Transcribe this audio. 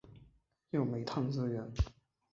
有煤炭资源。